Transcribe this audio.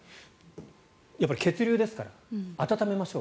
やっぱり血流ですから温めましょう。